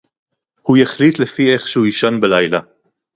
הוא יחליט לפי איך שהוא יישן בלילה